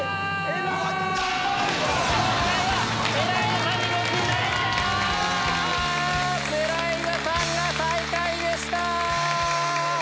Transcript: エライザさんが最下位でした！